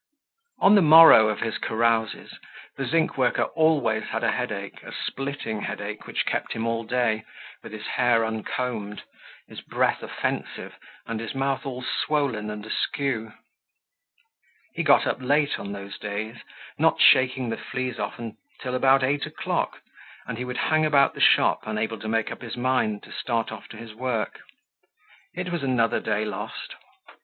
On the morrow of his carouses, the zinc worker always had a headache, a splitting headache which kept him all day with his hair uncombed, his breath offensive, and his mouth all swollen and askew. He got up late on those days, not shaking the fleas off till about eight o'clock; and he would hang about the shop, unable to make up his mind to start off to his work. It was another day lost.